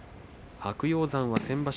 白鷹山は先場所